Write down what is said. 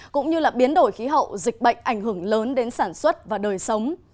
cũng như biến đổi khí hậu dịch bệnh ảnh hưởng lớn đến sản xuất và đời sống